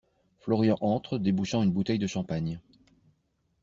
Florian entre, débouchant une bouteille de champagne.